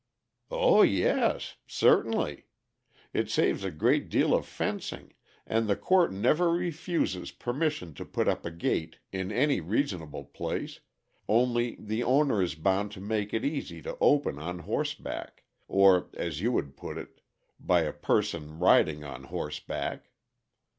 "O yes! certainly. It saves a great deal of fencing, and the Court never refuses permission to put up a gate in any reasonable place, only the owner is bound to make it easy to open on horseback or, as you would put it, 'by a person riding on horseback.'